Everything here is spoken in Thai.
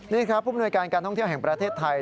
นี่ครับผู้มนวยการการท่องเที่ยวแห่งประเทศไทย